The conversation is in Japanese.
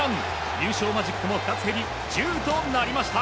優勝マジックも２つ減り１０となりました。